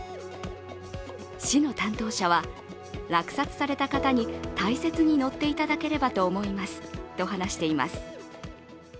市の担当者は、落札された方に大切に乗っていただければと思いますと話しています。